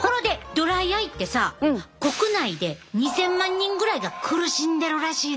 ドライアイってさ国内で２，０００万人ぐらいが苦しんでるらしいで。